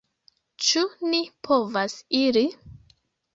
Ĉu ni povas iri?